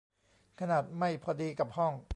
ขนาดไม่พอดีกับห้อง